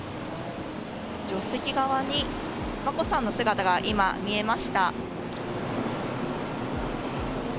助手席側に眞子さんの姿が今、見えました。